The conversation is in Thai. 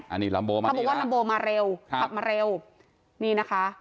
อันนี้ลัมโบมาเขาบอกว่าลัมโบมาเร็วครับขับมาเร็วนี่นะคะ